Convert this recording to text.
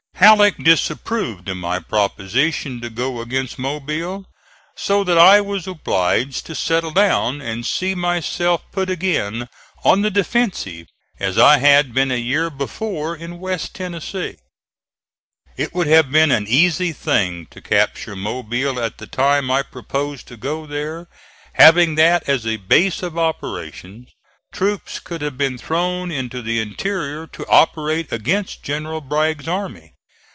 Halleck disapproved of my proposition to go against Mobile, so that I was obliged to settle down and see myself put again on the defensive as I had been a year before in west Tennessee. It would have been an easy thing to capture Mobile at the time I proposed to go there. Having that as a base of operations, troops could have been thrown into the interior to operate against General Bragg's army.